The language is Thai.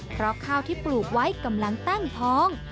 เพราะข้าวที่ปลูกไว้กำลังตั้งท้อง